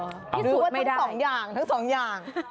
คิดสุดไม่ได้หรือว่าทั้งสองอย่างทั้งสองอย่าง